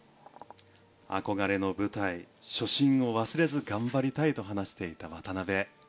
憧れの舞台初心を忘れず頑張りたいと話していた渡辺。